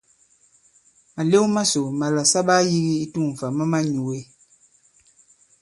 Màlew masò màlà sa ɓaa yīgi i tu᷇ŋ fâ ma manyūe.